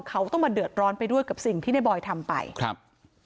เขาต้องมาเดือดร้อนไปด้วยกับสิ่งที่ในบอยทำไปครับ